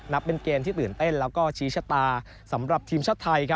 เป็นเกมที่ตื่นเต้นแล้วก็ชี้ชะตาสำหรับทีมชาติไทย